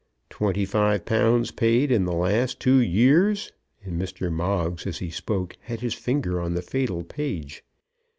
Twenty five pounds paid in the last two years!" and Mr. Moggs as he spoke had his finger on the fatal page.